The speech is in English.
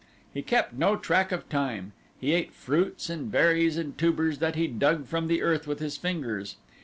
He kept no track of time. He ate fruits and berries and tubers that he dug from the earth with his fingers.